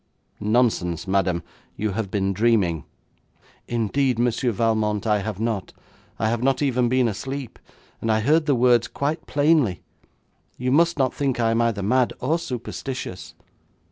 'Nonsense, madam, you have been dreaming.' 'Indeed, Monsieur Valmont, I have not. I have not even been asleep, and I heard the words quite plainly. You must not think I am either mad or superstitious.'